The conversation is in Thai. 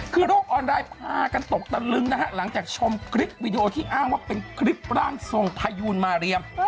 คือโลกออนไลน์พากันตกตะลึงนะฮะหลังจากชมคลิปวีดีโอที่อ้างว่าเป็นคลิปร่างทรงพยูนมาเรียม